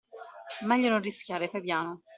Meglio non rischiare, fai piano.